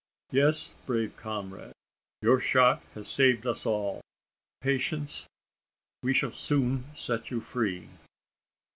"Yes, brave comrade! Your shot has saved us all. Patience! we shall soon set you free!"